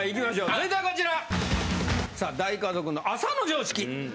続いてはこちら！